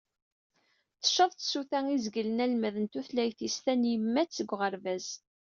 Tcaḍ tsuta i izeglen almad n tutlayt-is tanyemmat deg uɣerbaz.